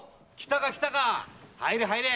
入れ入れ！